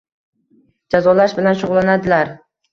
jazolash bilan shug‘ullanadilar.